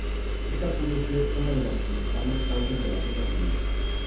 Esta pudo ser una de las principales causas de la guerra civil.